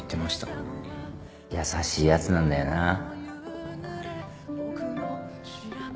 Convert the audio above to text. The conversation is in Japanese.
優しいやつなんだよな